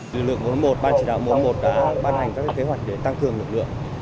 lực lượng một trăm bốn mươi một ban chỉ đạo một trăm bốn mươi một đã ban hành các kế hoạch để tăng cường lực lượng